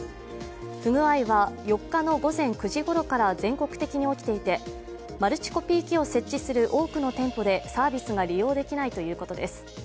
不具合は４日の午前９時ごろから全国的に起きていてマルチコピー機を設置する多くの店舗でサービスが利用できないということです。